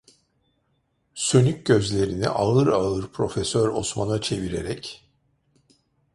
Sönük gözlerini ağır ağır Profesör Osman'a çevirerek: